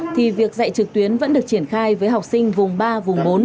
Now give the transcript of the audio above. thì việc dạy trực tuyến vẫn được triển khai với học sinh vùng ba vùng bốn